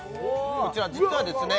こちら実はですね